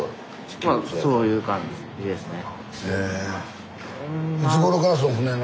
まあそういう感じですね。